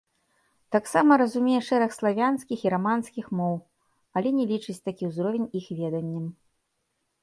Таксама разумее шэраг славянскіх і раманскіх моў, але не лічыць такі ўзровень іх веданнем.